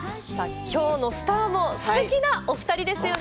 今日もスターのすてきなお二人ですよね。